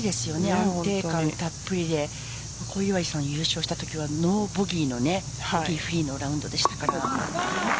安定感たっぷりで小祝さん優勝したときはノーボギーのラウンドでしたから。